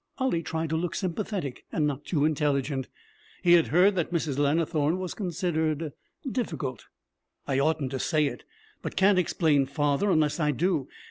Ollie tried to look sympathetic and not too intelligent. He had heard that Mrs. Lannithorne was considered difficult. 'I oughtn't to say it, but can't explain father unless I do.